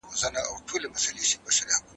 تاسو د جګړې له میدانه د ټپیانو د ایستلو امر وکړئ.